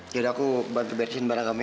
yaudah aku bantu beresin barang kamu ya